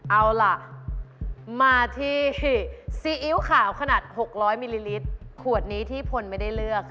เอาล่ะมาที่ซีอิ๊วขาวขนาด๖๐๐มิลลิลิตรขวดนี้ที่พลไม่ได้เลือก